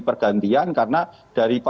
pergantian karena dari